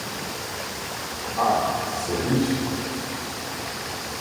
Ah ! c’est riche !